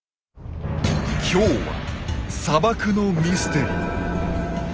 今日は砂漠のミステリー。